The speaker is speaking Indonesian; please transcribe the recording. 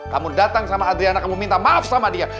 kamu datang sama adriana kamu minta maaf sama dia